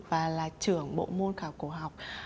và là trưởng bộ môn khảo cổ học